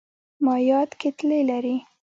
مایعات کتلې لري.